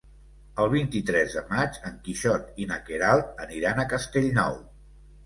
El vint-i-tres de maig en Quixot i na Queralt aniran a Castellnou.